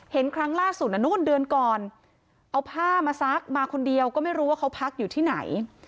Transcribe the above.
ครั้งล่าสุดน่ะนู่นเดือนก่อนเอาผ้ามาซักมาคนเดียวก็ไม่รู้ว่าเขาพักอยู่ที่ไหน